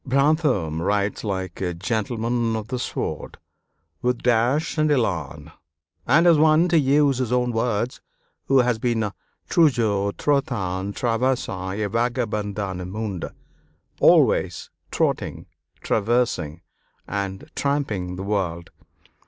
Brantôme writes like a "gentleman of the sword," with dash and élan, and as one, to use his own words, who has been "toujours trottant, traversant, et vagabondant le monde" (always trotting, traversing, and tramping the world).